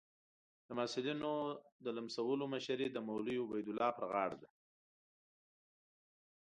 د محصلینو د لمسولو مشري د مولوي عبیدالله پر غاړه ده.